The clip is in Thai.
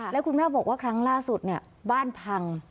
แล้วคุณแม่บอกว่าครั้งล่าสุดเนี่ยบ้านพัง